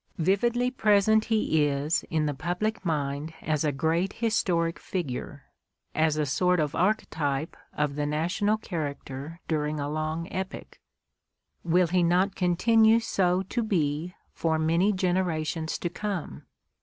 Vividly present he is in the public mind as a great historic figure, as a sort of arch type of the national character during a long epoch. Will he not continue so to be for many generations to come